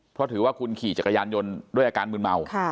เพราะถือว่าคุณขี่จักรยานยนต์ด้วยอาการมืนเมา